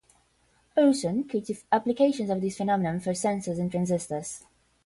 Olsson could see applications of this phenomenon for sensors and transistors.